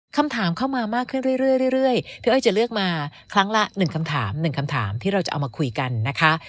คำถามเข้ามามากขึ้นเรื่อยพี่อ้อยจะเลือกมาครั้งละ๑คำถาม๑คำถามที่เราจะเอามาคุยกันนะคะ